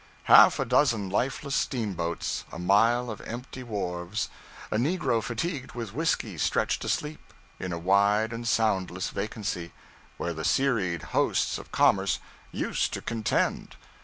Half a dozen lifeless steamboats, a mile of empty wharves, a negro fatigued with whiskey stretched asleep, in a wide and soundless vacancy, where the serried hosts of commerce used to contend!